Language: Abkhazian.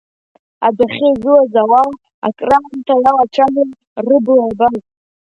Адәахьы игылаз ауаа акраамҭа иалацәажәон рыбла иабаз.